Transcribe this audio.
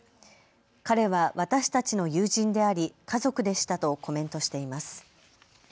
彼は私たちの友人であり家族でしたとコメントしています。